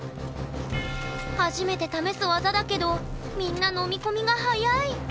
初めて試す技だけどみんな飲み込みが早い！